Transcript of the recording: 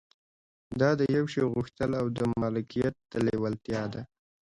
دا د يوه شي غوښتل او د مالکيت لېوالتيا ده.